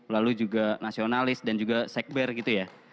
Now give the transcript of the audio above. lalu juga nasionalis dan juga sekber gitu ya